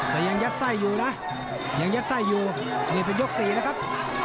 แต่ยังยัดไส้อยู่นะยังยัดไส้อยู่นี่เป็นยก๔นะครับ